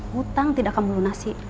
hutang tidak akan melunasi